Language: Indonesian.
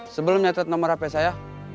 sebelum nyatat nomor hp saya